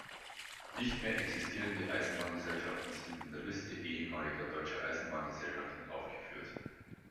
Nicht mehr existierende Eisenbahngesellschaften sind in der Liste ehemaliger deutscher Eisenbahngesellschaften aufgeführt.